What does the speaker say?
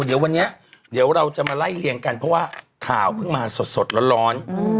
เดี๋ยววันนี้เดี๋ยวเราจะมาไล่เลี่ยงกันเพราะว่าข่าวเพิ่งมาสดร้อน